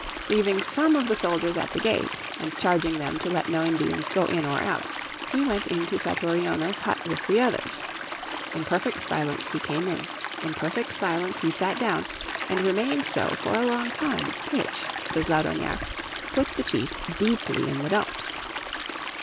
Leaving some of the soldiers at the gate, and charging them to let no Indians go in or out, he went into Satouriona's hut with the others. In perfect silence he came in, in perfect silence he sat down and remained so for a long time which, says Laudonnèire, put the chief "deeply in the dumps."